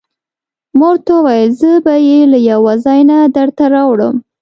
ما ورته وویل: زه به يې له یوه ځای نه درته راوړم.